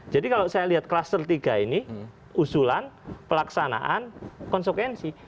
jadi kalau saya lihat cluster tiga ini usulan pelaksanaan konsekuensi